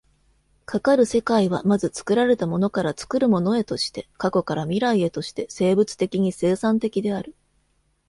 かかる世界は、まず作られたものから作るものへとして、過去から未来へとして生物的に生産的である。